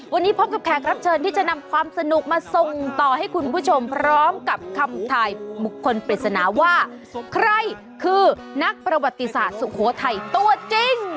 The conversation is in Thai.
วันนี้พบกับแขกรับเชิญที่จะนำความสนุกมาส่งต่อให้คุณผู้ชมพร้อมกับคำถ่ายบุคคลปริศนาว่าใครคือนักประวัติศาสตร์สุโขทัยตัวจริง